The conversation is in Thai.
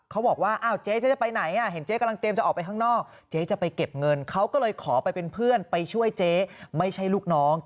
เขาบอกว่าเจ๊จะไปไหน